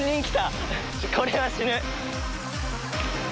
これは死ぬ。